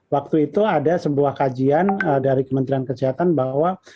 waktu itu ada sebuah kajian dari kementerian kesehatan bahwa